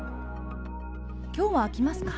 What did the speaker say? きょうは開きますか？